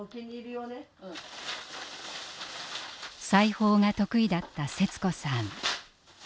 裁縫が得意だったセツ子さん。